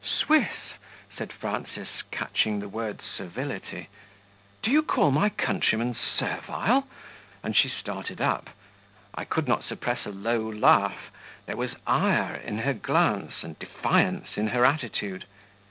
"Swiss?" said Frances, catching the word "servility." "Do you call my countrymen servile?" and she started up. I could not suppress a low laugh; there was ire in her glance and defiance in her attitude.